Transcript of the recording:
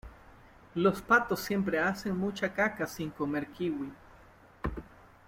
los patos siempre hacen mucha caca sin comer kiwi.